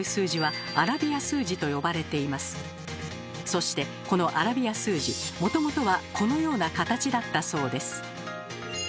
そしてこのアラビア数字もともとはこのような形だったそうです。